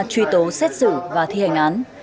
truy tố xét xử và thi hành án